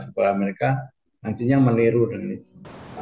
supaya mereka nantinya meniru dengan itu